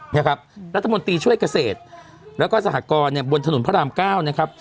นะครับรัฐมนตรีช่วยเกษตรแล้วก็สหกรณ์เนี่ยบนถนนพระรามเก้านะครับ